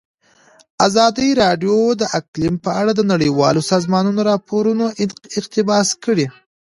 ازادي راډیو د اقلیم په اړه د نړیوالو سازمانونو راپورونه اقتباس کړي.